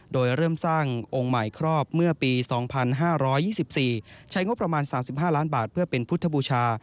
โดยเริ่มสร้างองค์ใหม่ครอบเมื่อปี๒๕๒๔ใช้งบประมาณ๓๕ล้านบาทเพื่อเป็นพุทธบูชา